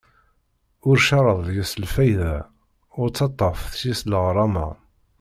Ur cerreḍ deg-s lfayda, ur ttaṭṭaf seg-s leɣrama.